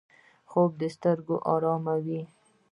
خوب د سترګو آراموي